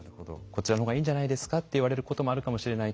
「こちらの方がいいんじゃないですか？」って言われることもあるかもしれない。